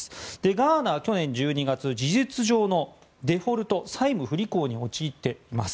ガーナは去年１２月事実上のデフォルト債務不履行に陥っています。